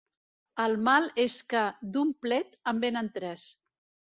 El mal és que, d'un plet, en venen tres.